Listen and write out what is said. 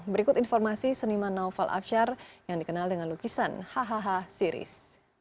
berikut informasi seniman naufal absyar yang dikenal dengan lukisan hh series